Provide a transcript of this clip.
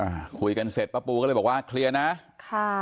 อ่าคุยกันเสร็จป้าปูก็เลยบอกว่าเคลียร์นะค่ะ